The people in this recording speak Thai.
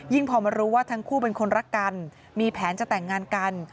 พอมารู้ว่าทั้งคู่เป็นคนรักกันมีแผนจะแต่งงานกัน